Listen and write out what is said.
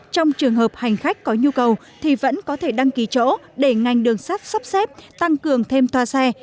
trong trường hợp hành khách có nhu cầu thì vẫn có thể đăng ký chỗ để ngành đường sắt sắp xếp tăng cường thêm toa xe